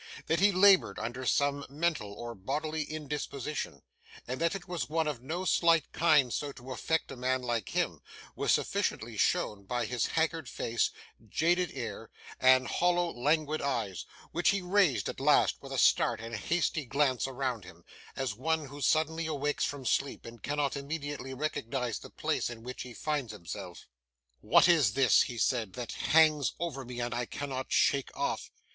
That he laboured under some mental or bodily indisposition, and that it was one of no slight kind so to affect a man like him, was sufficiently shown by his haggard face, jaded air, and hollow languid eyes: which he raised at last with a start and a hasty glance around him, as one who suddenly awakes from sleep, and cannot immediately recognise the place in which he finds himself. 'What is this,' he said, 'that hangs over me, and I cannot shake off?